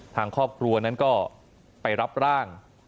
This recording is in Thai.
ทางครอบครัวนั้นก็ไปรับร่าง